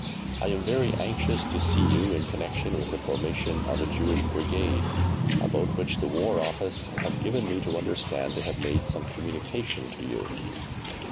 I am very anxious to see you in connection with the formation of a Jewish Brigade, about which the War Office have given me to understand they have made some communication to you.